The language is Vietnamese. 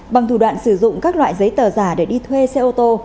bằng thủ đoạn sử dụng các loại giấy tờ giả để đi thuê xe ô tô